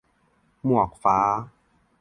- หมวกฟ้า